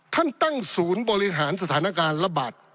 ท่านตั้งศูนย์บริหารสถานการณ์ระบาด